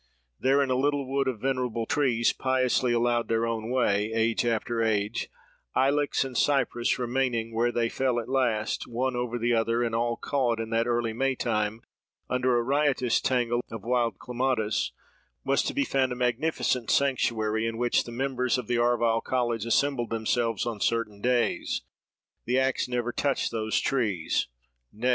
There, in a little wood of venerable trees, piously allowed their own way, age after age—ilex and cypress remaining where they fell at last, one over the other, and all caught, in that early May time, under a riotous tangle of wild clematis—was to be found a magnificent sanctuary, in which the members of the Arval College assembled themselves on certain days. The axe never touched those trees—Nay!